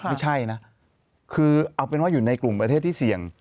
ไม่ใช่นะคือเอาเป็นว่าอยู่ในกลุ่มประเทศที่เสี่ยง